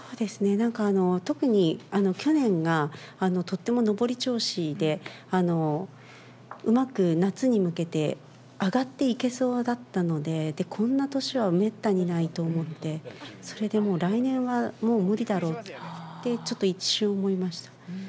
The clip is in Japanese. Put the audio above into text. なんか、特に去年がとっても上り調子で、うまく夏に向けて上がっていけそうだったので、こんな年はめったにないと思って、それでもう、来年はもう無理だろうって、ちょっと一瞬思いました。